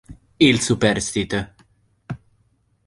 Il superstite